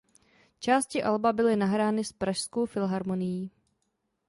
Části alba byly nahrány s Pražskou filharmonií.